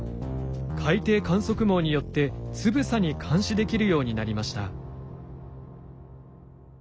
海底観測網によってつぶさに監視できるようになりました。